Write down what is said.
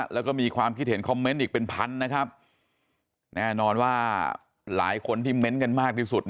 แล้วก็มีความคิดเห็นคอมเมนต์อีกเป็นพันนะครับแน่นอนว่าหลายคนที่เม้นต์กันมากที่สุด